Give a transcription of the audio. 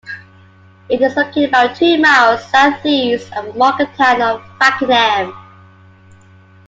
It is located about two miles south-east of the market town of Fakenham.